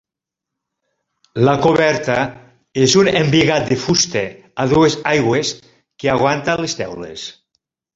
La coberta és un embigat de fusta a dues aigües que aguanta les teules.